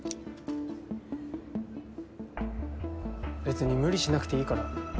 別に無理しなくていいから。